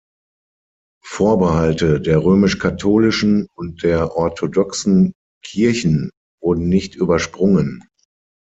Vorbehalte der römisch-katholischen und der orthodoxen Kirchen wurden nicht übersprungen.